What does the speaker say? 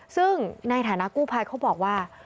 ซึ่งในฐานะกู้ภัยเขาบอกว่า